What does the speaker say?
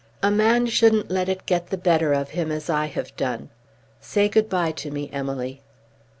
A man shouldn't let it get the better of him, as I have done. Say good bye to me, Emily."